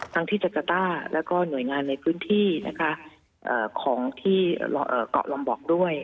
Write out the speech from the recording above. ที่จักรต้าแล้วก็หน่วยงานในพื้นที่นะคะของที่เกาะลำบอกด้วย